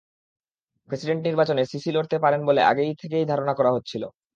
President নির্বাচনে Sisi লড়তে পারেন বলে আগে থেকেই ধারণা করা হচ্ছিল।